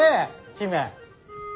姫。